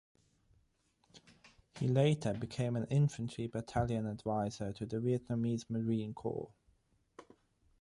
He later became an Infantry Battalion Advisor to the Vietnamese Marine Corps.